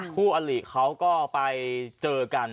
คู่อลิเค้าก็ไปเจอกัน